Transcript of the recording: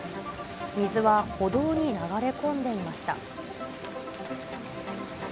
水は歩道に流れ込んでいました。